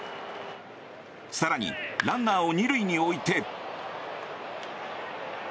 更にランナーを２塁に置いて。